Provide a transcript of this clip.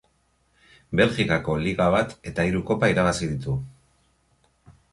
Belgikako liga bat eta hiru kopa irabazi ditu.